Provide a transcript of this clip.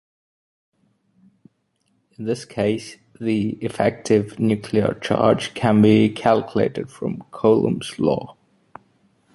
In this case, the effective nuclear charge can be calculated from Coulomb's law.